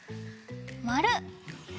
まる！